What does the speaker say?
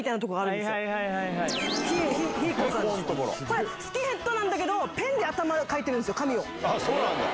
これスキンヘッドだけどペンで描いてるんですよ髪を。